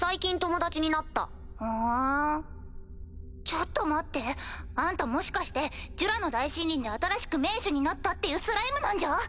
ちょっと待ってあんたもしかしてジュラの大森林で新しく盟主になったっていうスライムなんじゃ？